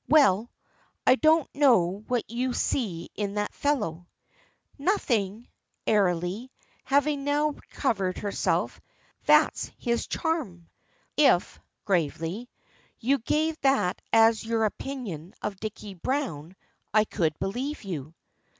"Well, I don't know what you see in that fellow." "Nothing," airily, having now recovered herself, "that's his charm." "If," gravely, "you gave that as your opinion of Dicky Browne I could believe you."